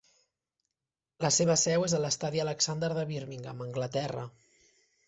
La seva seu és a l'estadi Alexander de Birmingham, Anglaterra.